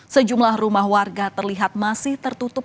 sejumlah rumah warga terlihat masih tertutup